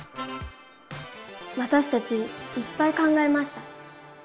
わたしたちいっぱい考えました。